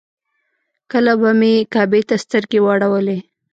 کله به مې کعبې ته سترګې واړولې.